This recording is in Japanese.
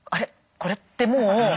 これってもう」。